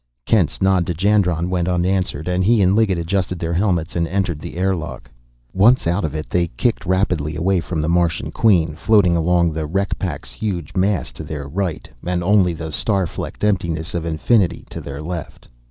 Kent's nod to Jandron went unanswered, and he and Liggett adjusted their helmets and entered the airlock. Once out of it, they kicked rapidly away from the Martian Queen, floating along with the wreck pack's huge mass to their right, and only the star flecked emptiness of infinity to their left.